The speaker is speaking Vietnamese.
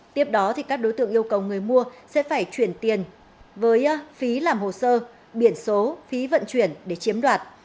tiếp đó các đối tượng yêu cầu người mua sẽ phải chuyển tiền với phí làm hồ sơ biển số phí vận chuyển để chiếm đoạt